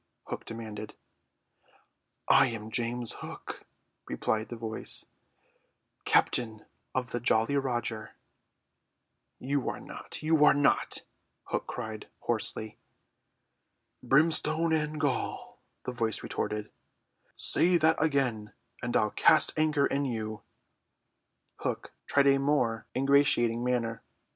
Hook demanded. "I am James Hook," replied the voice, "captain of the Jolly Roger." "You are not; you are not," Hook cried hoarsely. "Brimstone and gall," the voice retorted, "say that again, and I'll cast anchor in you." Hook tried a more ingratiating manner.